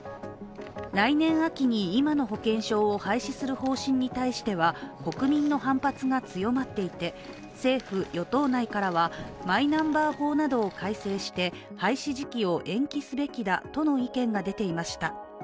来年秋に今の保険証を廃止する方針に対しては国民の反発が強まっていて政府・与党内からはマイナンバー法などを改正して、廃止時期を延期すべきだとの意見が出ていました。